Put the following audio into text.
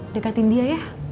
dekatin dia ya